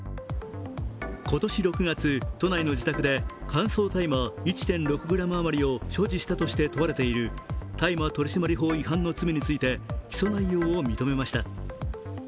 今年６月、都内の自宅で乾燥大麻１．６ｇ余りを所持したとして問われている大麻取締法違反の罪について起訴内容を認めました。